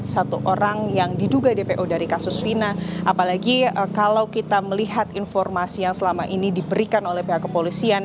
satu orang yang diduga dpo dari kasus fina apalagi kalau kita melihat informasi yang selama ini diberikan oleh pihak kepolisian